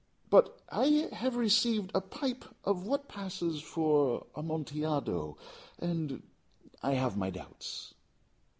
But I have received a pipe of what passes for Amontillado, and I have my doubts."